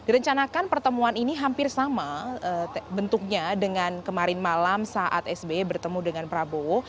direncanakan pertemuan ini hampir sama bentuknya dengan kemarin malam saat sbe bertemu dengan prabowo